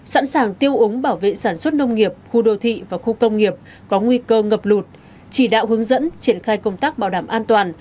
sẵn sàng tiêu ống bảo vệ sản xuất nông nghiệp khu đô thị và khu công nghiệp có nguy cơ ngập lụt chỉ đạo hướng dẫn triển khai công tác bảo đảm an toàn